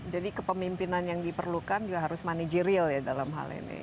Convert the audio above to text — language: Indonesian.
jadi kepemimpinan yang diperlukan juga harus manajerial ya dalam hal ini